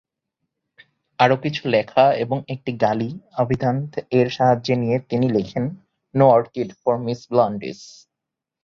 আরো কিছু লেখা এবং একটি ‘গালি অভিধান’ এর সাহায্য নিয়ে তিনি লেখেন ‘no orchid for Miss Blandish’.